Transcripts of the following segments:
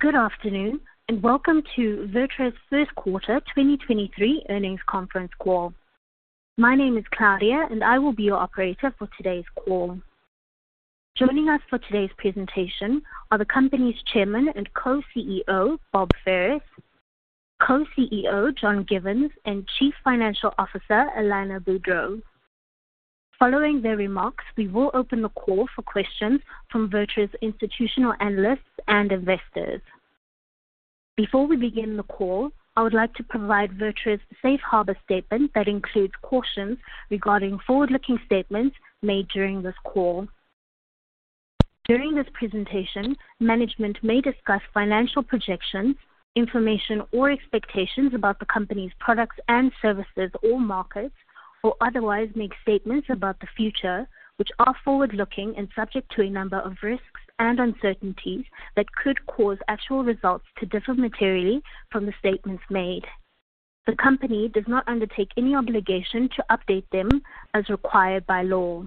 Good afternoon, welcome to VirTra's first quarter 2023 earnings conference call. My name is Claudia, I will be your operator for today's call. Joining us for today's presentation are the company's Chairman and co-CEO, Bob Ferris, co-CEO, John Givens, and Chief Financial Officer, Alanna Boudreau. Following their remarks, we will open the call for questions from VirTra's institutional analysts and investors. Before we begin the call, I would like to provide VirTra's safe harbor statement that includes cautions regarding forward-looking statements made during this call. During this presentation, management may discuss financial projections, information or expectations about the company's products and services or markets, or otherwise make statements about the future, which are forward-looking and subject to a number of risks and uncertainties that could cause actual results to differ materially from the statements made. The company does not undertake any obligation to update them as required by law.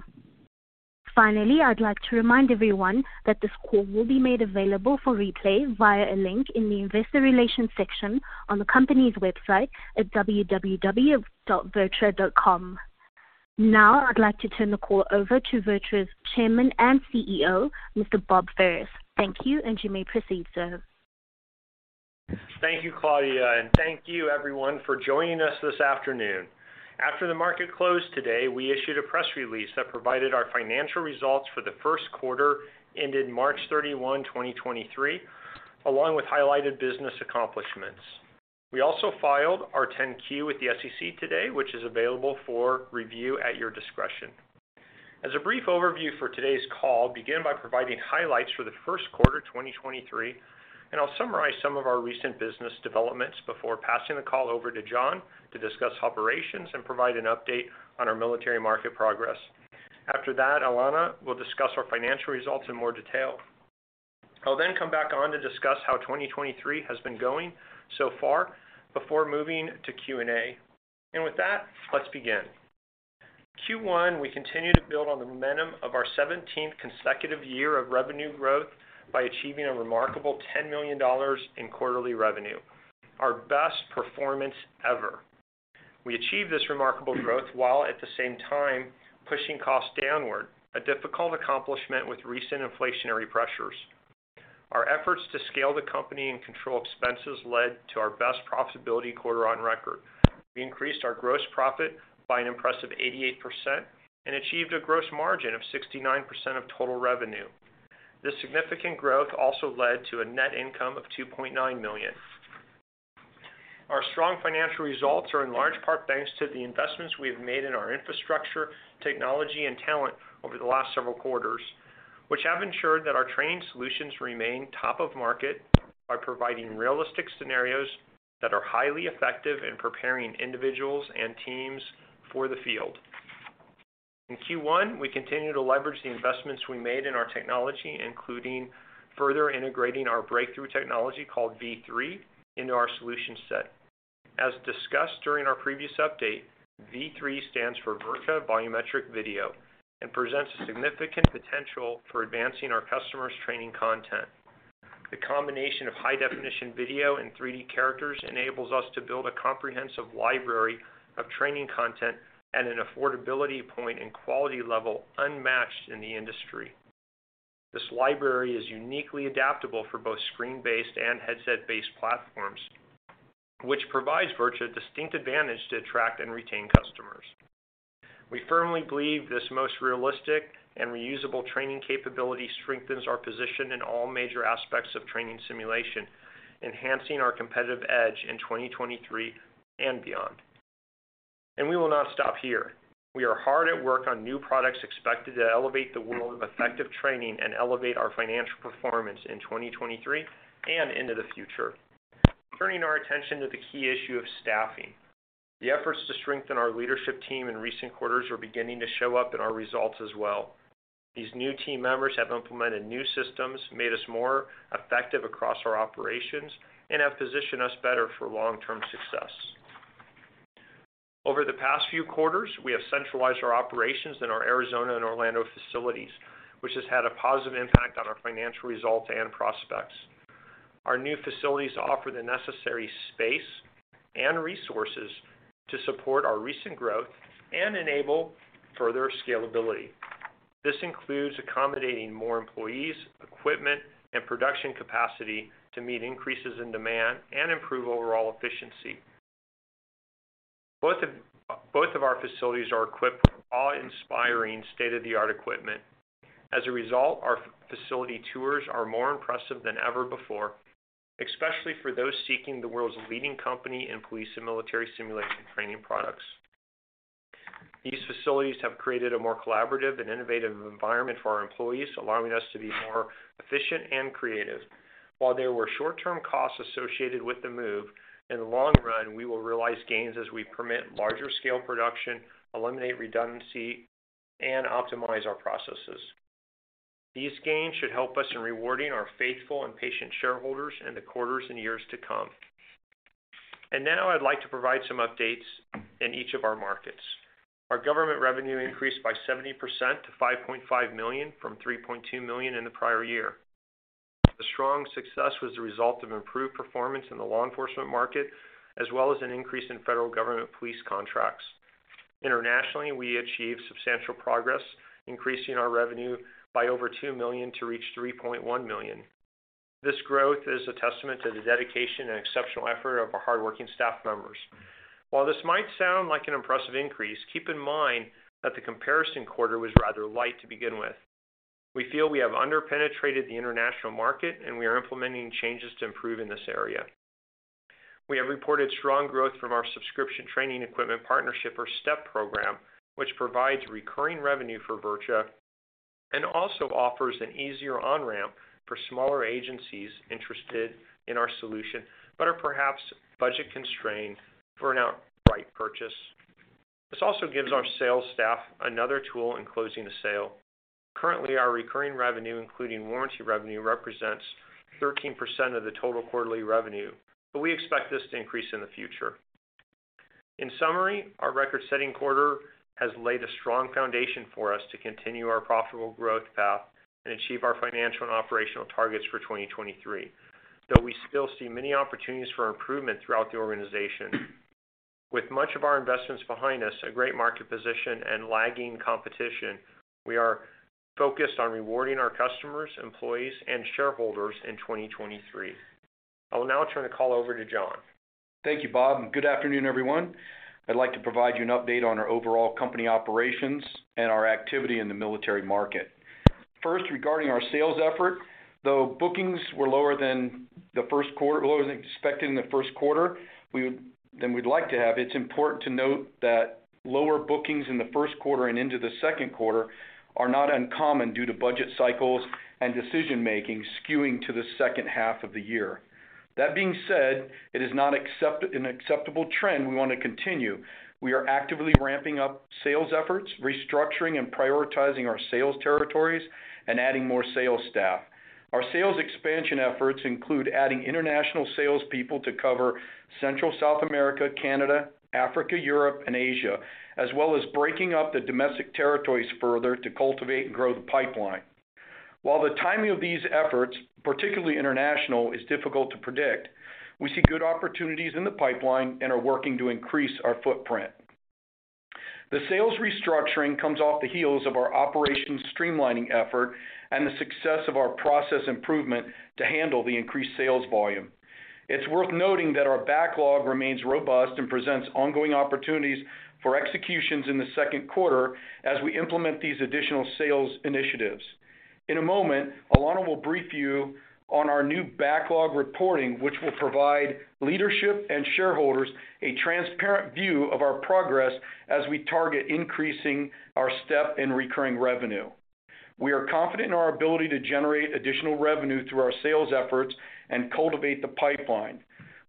I'd like to remind everyone that this call will be made available for replay via a link in the investor relations section on the company's website at www.virtra.com. I'd like to turn the call over to VirTra's chairman and CEO, Mr. Bob Ferris. Thank you. You may proceed, sir. Thank you, Claudia, thank you everyone for joining us this afternoon. After the market closed today, we issued a press release that provided our financial results for the first quarter ended March 31, 2023, along with highlighted business accomplishments. We also filed our 10-Q with the SEC today, which is available for review at your discretion. As a brief overview for today's call, begin by providing highlights for the first quarter, 2023, and I'll summarize some of our recent business developments before passing the call over to John to discuss operations and provide an update on our military market progress. After that, Alanna will discuss our financial results in more detail. I'll then come back on to discuss how 2023 has been going so far before moving to Q&A. With that, let's begin. Q1, we continue to build on the momentum of our 17th consecutive year of revenue growth by achieving a remarkable $10 million in quarterly revenue, our best performance ever. We achieved this remarkable growth while at the same time pushing costs downward, a difficult accomplishment with recent inflationary pressures. Our efforts to scale the company and control expenses led to our best profitability quarter on record. We increased our gross profit by an impressive 88% and achieved a gross margin of 69% of total revenue. This significant growth also led to a net income of $2.9 million. Our strong financial results are in large part thanks to the investments we have made in our infrastructure, technology, and talent over the last several quarters, which have ensured that our training solutions remain top of market by providing realistic scenarios that are highly effective in preparing individuals and teams for the field. In Q1, we continued to leverage the investments we made in our technology, including further integrating our breakthrough technology called V3 into our solution set. As discussed during our previous update, V3 stands for VirTra Volumetric Video and presents a significant potential for advancing our customers' training content. The combination of high-definition video and 3D characters enables us to build a comprehensive library of training content at an affordability point and quality level unmatched in the industry. This library is uniquely adaptable for both screen-based and headset-based platforms, which provides VirTra a distinct advantage to attract and retain customers. We firmly believe this most realistic and reusable training capability strengthens our position in all major aspects of training simulation, enhancing our competitive edge in 2023 and beyond. We will not stop here. We are hard at work on new products expected to elevate the world of effective training and elevate our financial performance in 2023 and into the future. Turning our attention to the key issue of staffing, the efforts to strengthen our leadership team in recent quarters are beginning to show up in our results as well. These new team members have implemented new systems, made us more effective across our operations, and have positioned us better for long-term success. Over the past few quarters, we have centralized our operations in our Arizona and Orlando facilities, which has had a positive impact on our financial results and prospects. Our new facilities offer the necessary space and resources to support our recent growth and enable further scalability. This includes accommodating more employees, equipment, and production capacity to meet increases in demand and improve overall efficiency. Both of our facilities are equipped with awe-inspiring state-of-the-art equipment. As a result, our facility tours are more impressive than ever before, especially for those seeking the world's leading company in police and military simulation training products. These facilities have created a more collaborative and innovative environment for our employees, allowing us to be more efficient and creative. While there were short-term costs associated with the move, in the long run, we will realize gains as we permit larger scale production, eliminate redundancy, and optimize our processes. These gains should help us in rewarding our faithful and patient shareholders in the quarters and years to come. Now I'd like to provide some updates in each of our markets. Our government revenue increased by 70% to $5.5 million from $3.2 million in the prior year. The strong success was the result of improved performance in the law enforcement market, as well as an increase in federal government police contracts. Internationally, we achieved substantial progress, increasing our revenue by over $2 million to reach $3.1 million. This growth is a testament to the dedication and exceptional effort of our hardworking staff members. While this might sound like an impressive increase, keep in mind that the comparison quarter was rather light to begin with. We feel we have under-penetrated the international market, and we are implementing changes to improve in this area. We have reported strong growth from our subscription training equipment partnership or STEP program, which provides recurring revenue for VirTra and also offers an easier on-ramp for smaller agencies interested in our solution, but are perhaps budget-constrained for an outright purchase. This also gives our sales staff another tool in closing the sale. Currently, our recurring revenue, including warranty revenue, represents 13% of the total quarterly revenue, but we expect this to increase in the future. In summary, our record-setting quarter has laid a strong foundation for us to continue our profitable growth path and achieve our financial and operational targets for 2023. Though we still see many opportunities for improvement throughout the organization, with much of our investments behind us, a great market position and lagging competition, we are focused on rewarding our customers, employees, and shareholders in 2023. I will now turn the call over to John. Thank you, Bob. Good afternoon, everyone. I'd like to provide you an update on our overall company operations and our activity in the military market. First, regarding our sales effort, though bookings were lower than expected in the first quarter than we'd like to have, it's important to note that lower bookings in the first quarter and into the second quarter are not uncommon due to budget cycles and decision-making skewing to the second half of the year. That being said, it is not an acceptable trend we wanna continue. We are actively ramping up sales efforts, restructuring and prioritizing our sales territories, and adding more sales staff. Our sales expansion efforts include adding international salespeople to cover Central South America, Canada, Africa, Europe, and Asia, as well as breaking up the domestic territories further to cultivate and grow the pipeline. While the timing of these efforts, particularly international, is difficult to predict, we see good opportunities in the pipeline and are working to increase our footprint. The sales restructuring comes off the heels of our operations streamlining effort and the success of our process improvement to handle the increased sales volume. It's worth noting that our backlog remains robust and presents ongoing opportunities for executions in the second quarter as we implement these additional sales initiatives. In a moment, Alanna will brief you on our new backlog reporting, which will provide leadership and shareholders a transparent view of our progress as we target increasing our STEP in recurring revenue. We are confident in our ability to generate additional revenue through our sales efforts and cultivate the pipeline.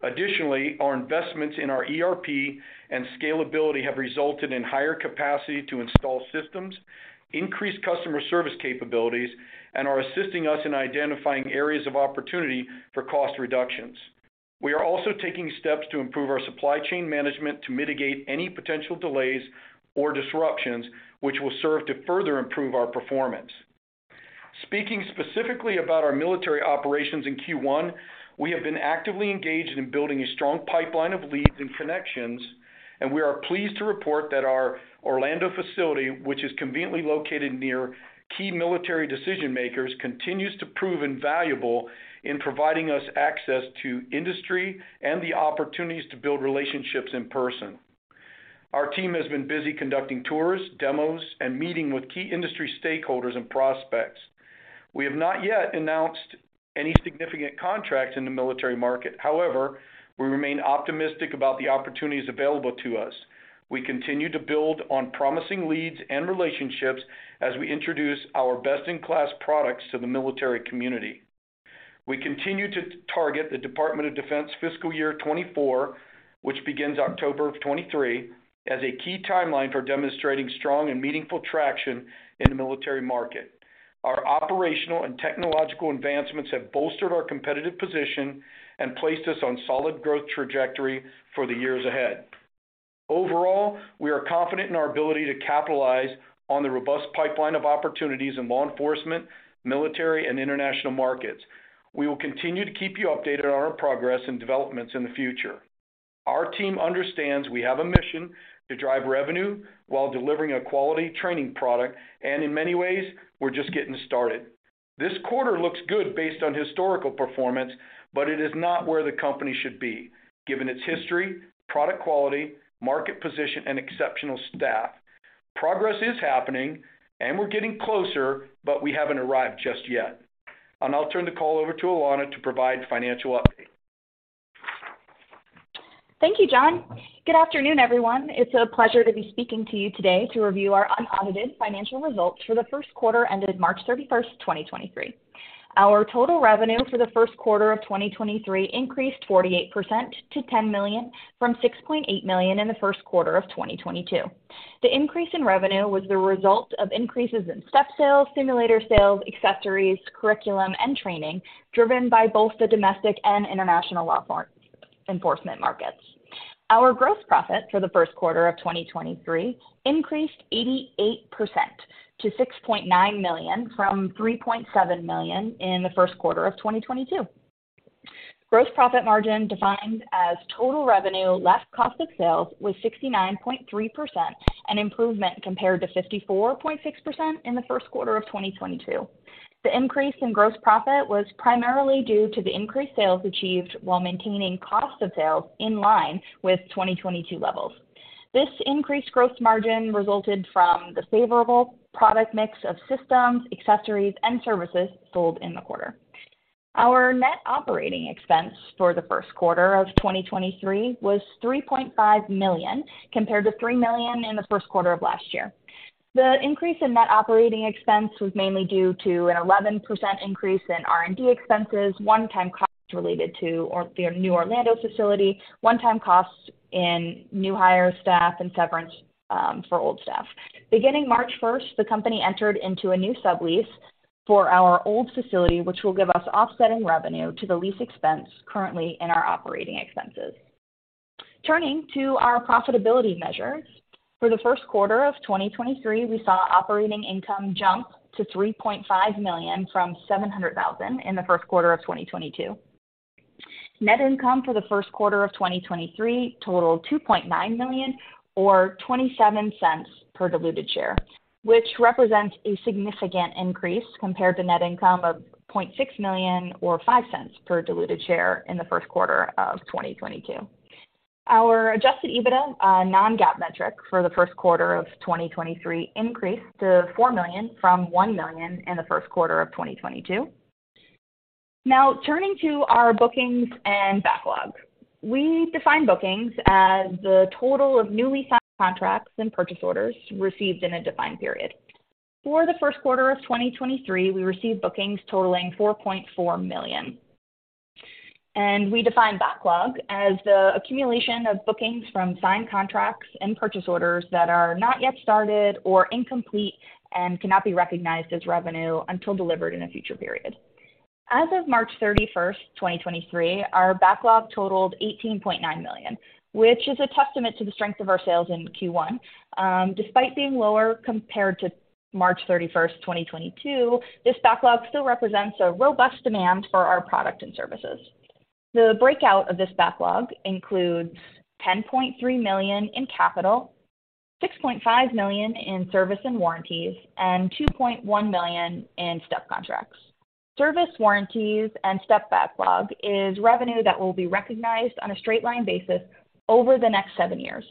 Additionally, our investments in our ERP and scalability have resulted in higher capacity to install systems, increased customer service capabilities, and are assisting us in identifying areas of opportunity for cost reductions. We are also taking steps to improve our supply chain management to mitigate any potential delays or disruptions which will serve to further improve our performance. Speaking specifically about our military operations in Q1, we have been actively engaged in building a strong pipeline of leads and connections, and we are pleased to report that our Orlando facility, which is conveniently located near key military decision-makers, continues to prove invaluable in providing us access to industry and the opportunities to build relationships in person. Our team has been busy conducting tours, demos, and meeting with key industry stakeholders and prospects. We have not yet announced any significant contracts in the military market. However, we remain optimistic about the opportunities available to us. We continue to build on promising leads and relationships as we introduce our best-in-class products to the military community. We continue to target the Department of Defense fiscal year 2024, which begins October of 2023, as a key timeline for demonstrating strong and meaningful traction in the military market. Our operational and technological advancements have bolstered our competitive position and placed us on solid growth trajectory for the years ahead. Overall, we are confident in our ability to capitalize on the robust pipeline of opportunities in law enforcement, military, and international markets. We will continue to keep you updated on our progress and developments in the future. Our team understands we have a mission to drive revenue while delivering a quality training product, and in many ways, we're just getting started. This quarter looks good based on historical performance, but it is not where the company should be given its history, product quality, market position, and exceptional staff. Progress is happening, and we're getting closer, but we haven't arrived just yet. I'll now turn the call over to Alanna to provide financial update. Thank you, John. Good afternoon, everyone. It's a pleasure to be speaking to you today to review our unaudited financial results for the first quarter ended March 31st, 2023. Our total revenue for the first quarter of 2023 increased 48% to $10 million from $6.8 million in the first quarter of 2022. The increase in revenue was the result of increases in STEP sales, simulator sales, accessories, curriculum and training, driven by both the domestic and international law enforcement markets. Our gross profit for the first quarter of 2023 increased 88% to $6.9 million from $3.7 million in the first quarter of 2022. Gross profit margin, defined as total revenue less cost of sales, was 69.3%, an improvement compared to 54.6% in the first quarter of 2022. The increase in gross profit was primarily due to the increased sales achieved while maintaining cost of sales in line with 2022 levels. This increased gross margin resulted from the favorable product mix of systems, accessories, and services sold in the quarter. Our net operating expense for the first quarter of 2023 was $3.5 million, compared to $3 million in the first quarter of last year. The increase in net operating expense was mainly due to an 11% increase in R&D expenses, one-time costs related to our new Orlando facility, one-time costs in new hire staff, and severance for old staff. Beginning March 1st, the company entered into a new sublease for our old facility, which will give us offsetting revenue to the lease expense currently in our operating expenses. Turning to our profitability measures. For the first quarter of 2023, we saw operating income jump to $3.5 million from $700,000 in the first quarter of 2022. Net income for the first quarter of 2023 totaled $2.9 million or $0.27 per diluted share, which represents a significant increase compared to net income of $0.6 million or $0.05 per diluted share in the first quarter of 2022. Our adjusted EBITDA, non-GAAP metric for the first quarter of 2023 increased to $4 million from $1 million in the first quarter of 2022. Turning to our bookings and backlog. We define bookings as the total of newly signed contracts and purchase orders received in a defined period. For the first quarter of 2023, we received bookings totaling $4.4 million. We define backlog as the accumulation of bookings from signed contracts and purchase orders that are not yet started or incomplete and cannot be recognized as revenue until delivered in a future period. As of March 31, 2023, our backlog totaled $18.9 million, which is a testament to the strength of our sales in Q1. Despite being lower compared to March 31, 2022, this backlog still represents a robust demand for our product and services. The breakout of this backlog includes $10.3 million in capital, $6.5 million in service and warranties, and $2.1 million in STEP contracts. Service warranties and STEP backlog is revenue that will be recognized on a straight line basis over the next seven years.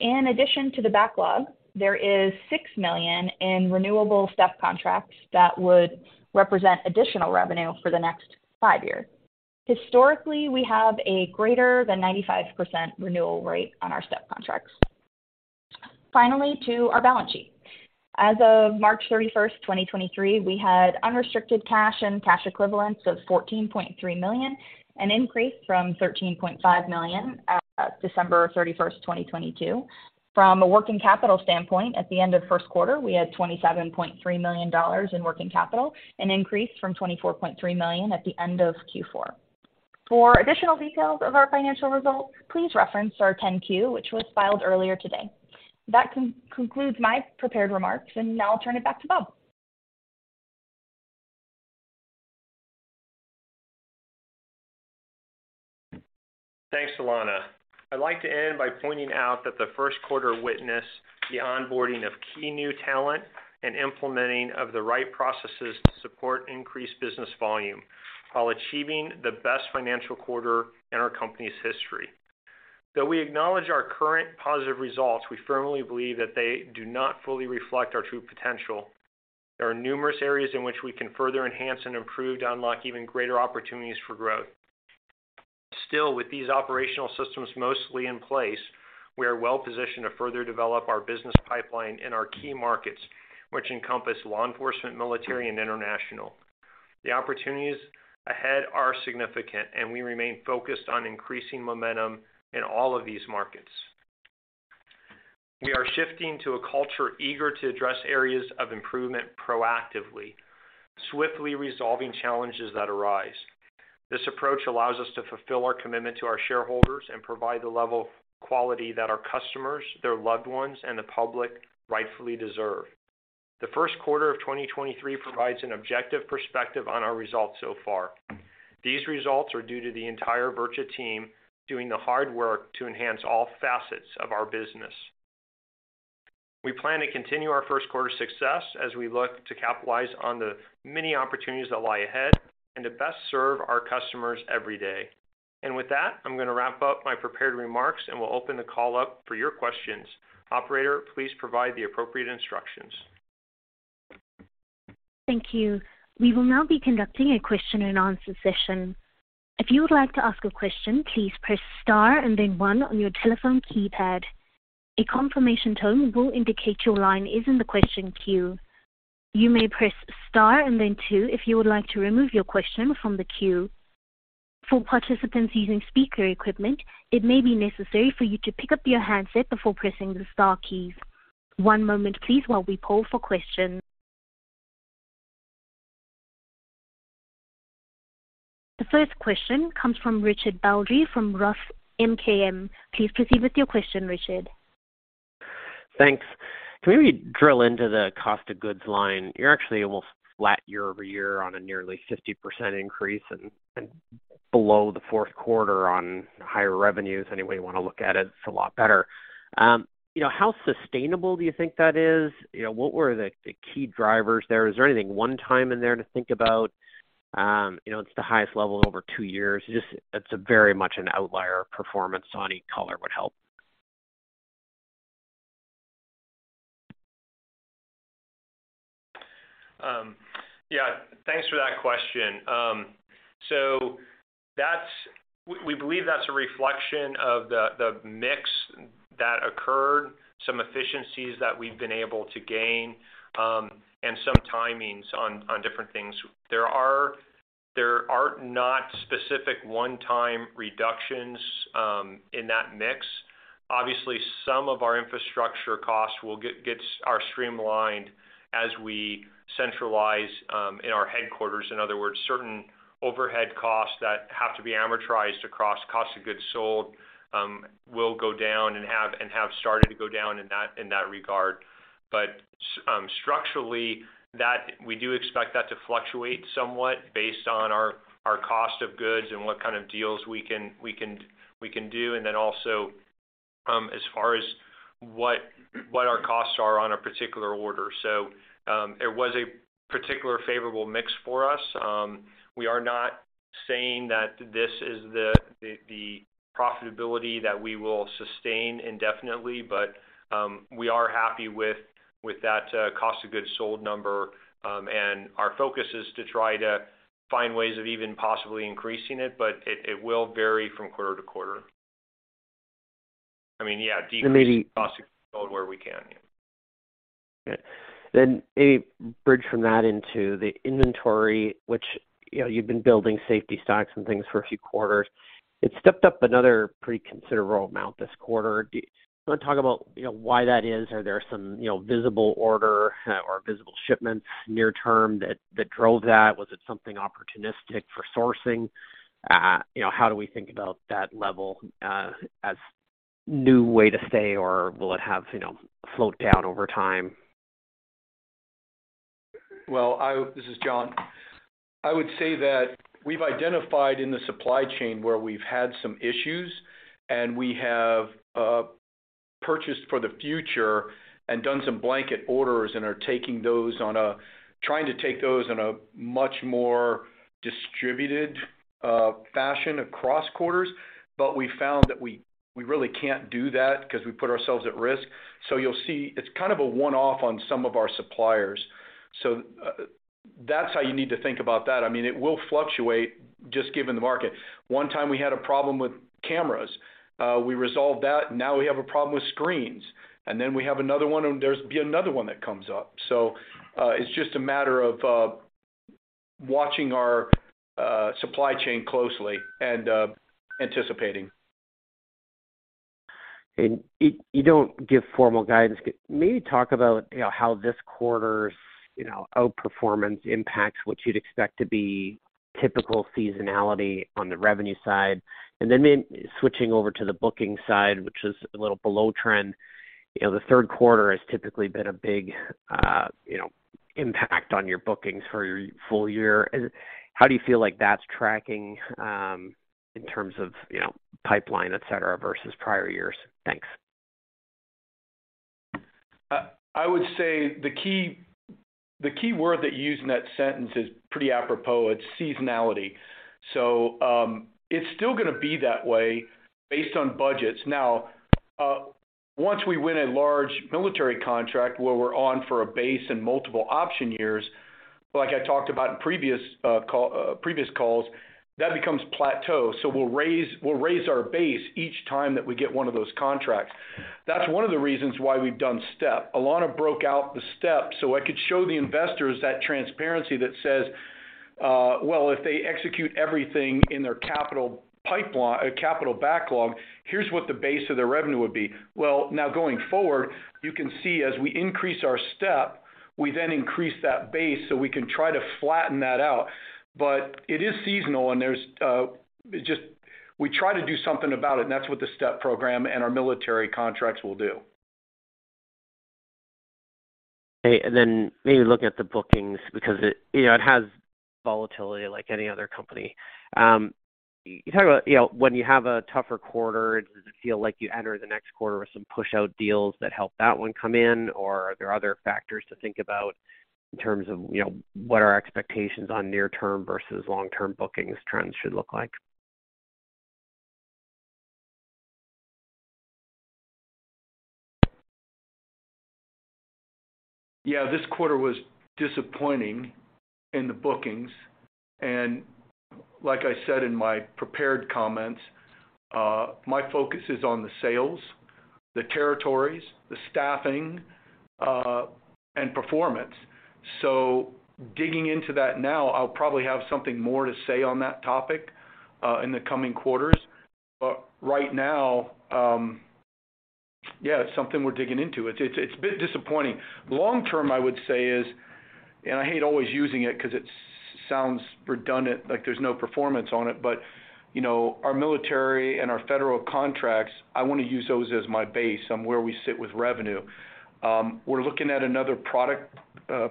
In addition to the backlog, there is $6 million in renewable STEP contracts that would represent additional revenue for the next five years. Historically, we have a greater than 95% renewal rate on our STEP contracts. Finally, to our balance sheet. As of March 31st, 2023, we had unrestricted cash and cash equivalents of $14.3 million, an increase from $13.5 million at December 31st, 2022. From a working capital standpoint, at the end of first quarter, we had $27.3 million in working capital, an increase from $24.3 million at the end of Q4. For additional details of our financial results, please reference our 10-Q, which was filed earlier today. That concludes my prepared remarks, now I'll turn it back to Bob. Thanks, Alanna. I'd like to end by pointing out that the first quarter witnessed the onboarding of key new talent and implementing of the right processes to support increased business volume while achieving the best financial quarter in our company's history. We acknowledge our current positive results, we firmly believe that they do not fully reflect our true potential. There are numerous areas in which we can further enhance and improve to unlock even greater opportunities for growth. Still, with these operational systems mostly in place, we are well positioned to further develop our business pipeline in our key markets, which encompass law enforcement, military, and international. The opportunities ahead are significant, and we remain focused on increasing momentum in all of these markets. We are shifting to a culture eager to address areas of improvement proactively, swiftly resolving challenges that arise. This approach allows us to fulfill our commitment to our shareholders and provide the level of quality that our customers, their loved ones, and the public rightfully deserve. The first quarter of 2023 provides an objective perspective on our results so far. These results are due to the entire VirTra team doing the hard work to enhance all facets of our business. We plan to continue our first quarter success as we look to capitalize on the many opportunities that lie ahead and to best serve our customers every day. With that, I'm gonna wrap up my prepared remarks, and we'll open the call up for your questions. Operator, please provide the appropriate instructions. Thank you. We will now be conducting a question and answer session. If you would like to ask a question, please press star and then one on your telephone keypad. A confirmation tone will indicate your line is in the question queue. You may press star and then two if you would like to remove your question from the queue. For participants using speaker equipment, it may be necessary for you to pick up your handset before pressing the star keys. One moment please while we poll for questions. The first question comes from Richard Baldry from Roth MKM. Please proceed with your question, Richard. Thanks. Can we drill into the cost of goods line? You're actually almost flat year-over-year on a nearly 50% increase and below the fourth quarter on higher revenues. Any way you want to look at it's a lot better. you know, how sustainable do you think that is? You know, what were the key drivers there? Is there anything one-time in there to think about? you know, it's the highest level in over two years. Just it's a very much an outlier performance, so any color would help. Yeah, thanks for that question. We believe that's a reflection of the mix that occurred, some efficiencies that we've been able to gain, and some timings on different things. There are not specific one-time reductions in that mix. Obviously, some of our infrastructure costs will get streamlined as we centralize in our headquarters. In other words, certain overhead costs that have to be amortized across cost of goods sold, will go down and have started to go down in that regard. Structurally, that we do expect that to fluctuate somewhat based on our cost of goods and what kind of deals we can do. Also, as far as what our costs are on a particular order. It was a particular favorable mix for us. We are not saying that this is the profitability that we will sustain indefinitely, but we are happy with that cost of goods sold number. Our focus is to try to find ways of even possibly increasing it, but it will vary from quarter to quarter. I mean, yeah, decrease cost of where we can, yeah. Okay. Maybe bridge from that into the inventory, which, you know, you've been building safety stocks and things for a few quarters. It stepped up another pretty considerable amount this quarter. Do you want to talk about, you know, why that is? Are there some, you know, visible order or visible shipments near term that drove that? Was it something opportunistic for sourcing? You know, how do we think about that level as new way to stay or will it have, you know, float down over time? This is John. I would say that we've identified in the supply chain where we've had some issues. We have purchased for the future and done some blanket orders and are trying to take those in a much more distributed fashion across quarters. We found that we really can't do that because we put ourselves at risk. You'll see it's kind of a one-off on some of our suppliers. That's how you need to think about that. I mean, it will fluctuate just given the market. One time we had a problem with cameras. We resolved that, now we have a problem with screens. We have another one, and there's be another one that comes up. It's just a matter of watching our supply chain closely and anticipating. You don't give formal guidance. Could you maybe talk about, you know, how this quarter's, you know, outperformance impacts what you'd expect to be typical seasonality on the revenue side? Switching over to the booking side, which is a little below trend. You know, the third quarter has typically been a big, you know, impact on your bookings for your full year. How do you feel like that's tracking, in terms of, you know, pipeline, et cetera, versus prior years? Thanks. I would say the key word that you used in that sentence is pretty apropos. It's seasonality. It's still gonna be that way based on budgets. Now, once we win a large military contract where we're on for a base and multiple option years, like I talked about in previous calls, that becomes plateau. We'll raise our base each time that we get one of those contracts. That's one of the reasons why we've done STEP. Alanna broke out the STEP, so I could show the investors that transparency that says, well, if they execute everything in their capital backlog, here's what the base of their revenue would be. Well, now going forward, you can see as we increase our STEP, we then increase that base, so we can try to flatten that out. It is seasonal and there's just we try to do something about it, and that's what the STEP program and our military contracts will do. Okay. Maybe look at the bookings because it, you know, it has volatility like any other company. You talk about, you know, when you have a tougher quarter, does it feel like you enter the next quarter with some push-out deals that help that one come in? Are there other factors to think about in terms of, you know, what our expectations on near term versus long-term bookings trends should look like? Yeah, this quarter was disappointing in the bookings. Like I said in my prepared comments, my focus is on the sales. The territories, the staffing, and performance. Digging into that now, I'll probably have something more to say on that topic in the coming quarters. Right now, yeah, it's something we're digging into. It's a bit disappointing. Long-term, I would say is, and I hate always using it 'cause it sounds redundant, like there's no performance on it, but, you know, our military and our federal contracts, I wanna use those as my base on where we sit with revenue. We're looking at another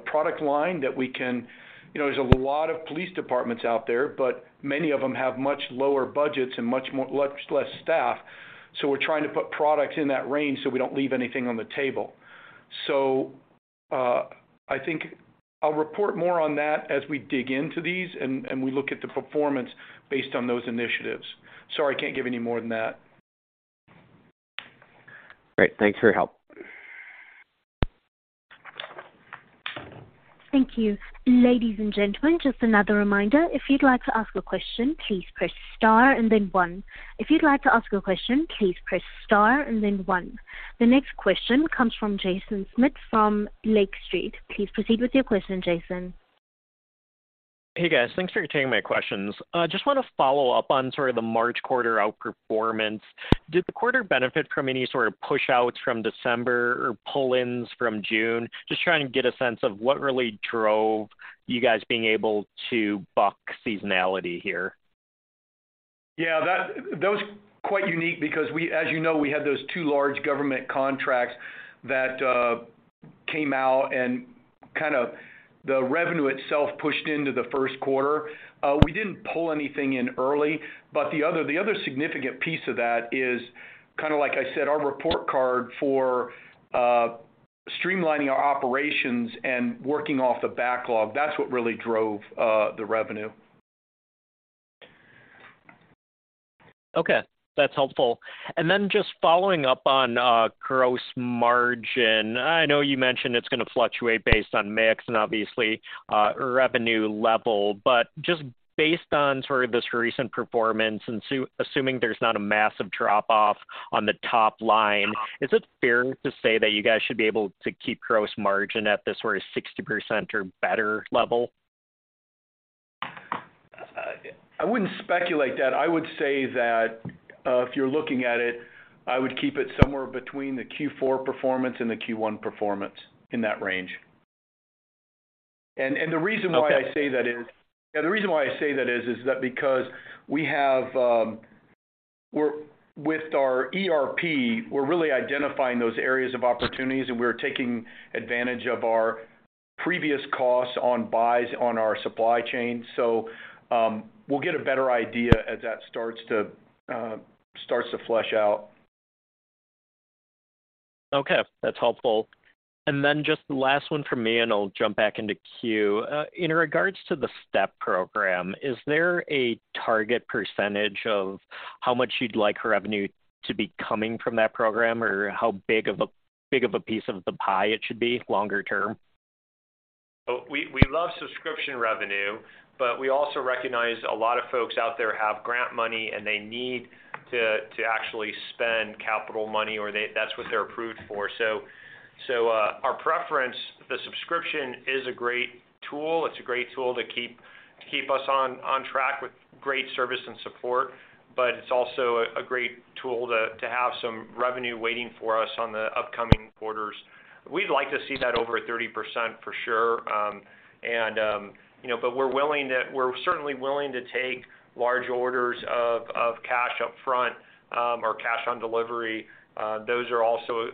product line that we can... You know, there's a lot of police departments out there, but many of them have much lower budgets and much less staff. We're trying to put products in that range so we don't leave anything on the table. I think I'll report more on that as we dig into these and we look at the performance based on those initiatives. Sorry, I can't give any more than that. Great. Thanks for your help. Thank you. Ladies and gentlemen, just another reminder. If you'd like to ask a question, please press star and then one. The next question comes from Jaeson Schmidt from Lake Street. Please proceed with your question, Jaeson. Hey, guys. Thanks for taking my questions. I just wanna follow up on sort of the March quarter outperformance. Did the quarter benefit from any sort of push outs from December or pull-ins from June? Just trying to get a sense of what really drove you guys being able to buck seasonality here. That was quite unique because as you know, we had those two large government contracts that came out and kind of the revenue itself pushed into the first quarter. We didn't pull anything in early, but the other significant piece of that is kinda like I said, our report card for streamlining our operations and working off the backlog, that's what really drove the revenue. Okay, that's helpful. Then just following up on, gross margin. I know you mentioned it's gonna fluctuate based on mix and obviously, revenue level. Just based on sort of this recent performance and assuming there's not a massive drop-off on the top line, is it fair to say that you guys should be able to keep gross margin at this sort of 60% or better level? I wouldn't speculate that. I would say that, if you're looking at it, I would keep it somewhere between the Q4 performance and the Q1 performance in that range. Okay. The reason why I say that is that because we have with our ERP, we're really identifying those areas of opportunities, and we're taking advantage of our previous costs on buys on our supply chain. We'll get a better idea as that starts to flesh out. Okay, that's helpful. Then just the last one from me, and I'll jump back into queue. In regards to the STEP program, is there a target % of how much you'd like revenue to be coming from that program or how big of a piece of the pie it should be longer term? We love subscription revenue. We also recognize a lot of folks out there have grant money and they need to actually spend capital money or that's what they're approved for. Our preference, the subscription is a great tool. It's a great tool to keep us on track with great service and support. It's also a great tool to have some revenue waiting for us on the upcoming quarters. We'd like to see that over 30% for sure. You know, we're certainly willing to take large orders of cash up front. Cash on delivery. Those are also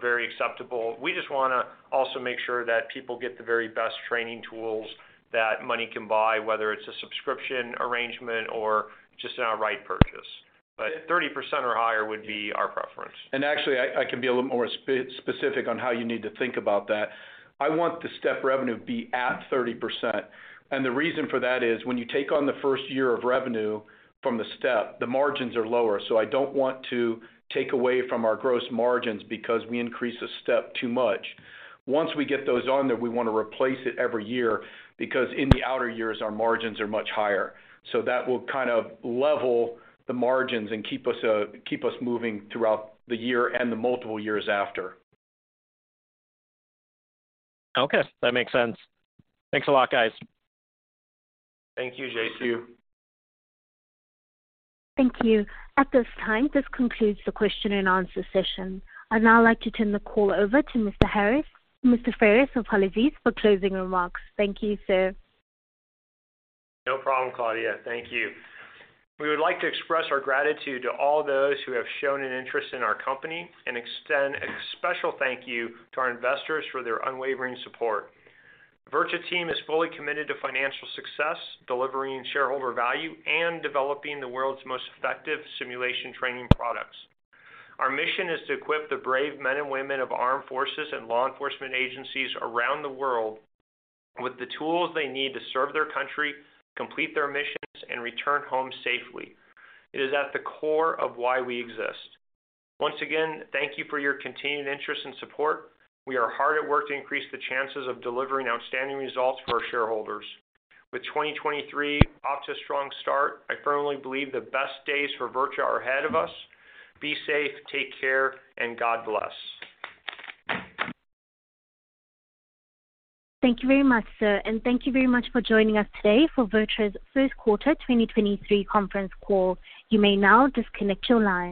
very acceptable. We just wanna also make sure that people get the very best training tools that money can buy, whether it's a subscription arrangement or just an outright purchase. 30% or higher would be our preference. Actually, I can be a little more specific on how you need to think about that. I want the STEP revenue to be at 30%. The reason for that is when you take on the first year of revenue from the STEP, the margins are lower. I don't want to take away from our gross margins because we increase the STEP too much. Once we get those on there, we wanna replace it every year because in the outer years, our margins are much higher. That will kind of level the margins and keep us, keep us moving throughout the year and the multiple years after. Okay, that makes sense. Thanks a lot, guys. Thank you, Jaeson. Thank you. At this time, this concludes the question and answer session. I'd now like to turn the call over to Mr. Harris. Mr. Ferris, apologies, for closing remarks. Thank you, sir. No problem, Claudia. Thank you. We would like to express our gratitude to all those who have shown an interest in our company and extend a special thank you to our investors for their unwavering support. VirTra team is fully committed to financial success, delivering shareholder value, and developing the world's most effective simulation training products. Our mission is to equip the brave men and women of armed forces and law enforcement agencies around the world with the tools they need to serve their country, complete their missions, and return home safely. It is at the core of why we exist. Once again, thank you for your continued interest and support. We are hard at work to increase the chances of delivering outstanding results for our shareholders. With 2023 off to a strong start, I firmly believe the best days for VirTra are ahead of us. Be safe, take care, and God bless. Thank you very much, sir. Thank you very much for joining us today for VirTra's first quarter 2023 conference call. You may now disconnect your lines.